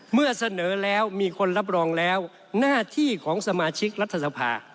เมื่อเสนอแล้วมีคนรับรองแล้วหน้าที่ของสมาชิกรัฐสภา